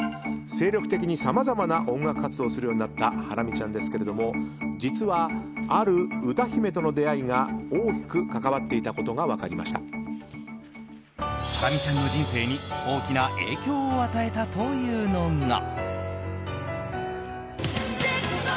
精力的にさまざまな音楽活動をするようになったハラミちゃんですけれども実はある歌姫との出会いが大きく関わっていたことがハラミちゃんの人生に大きな影響を与えたというのが。